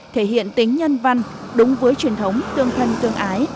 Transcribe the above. thể hiện tính nhân văn đúng với truyền thống tương thân tương ái